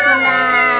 ompimpak lagi ya